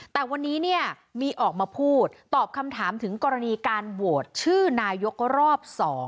แต่วันนี้เนี่ยมีออกมาพูดตอบคำถามถึงกรณีการโหวตชื่อนายกรอบ๒